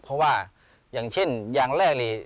เพราะว่าอย่างเช่นอย่างแรกเลย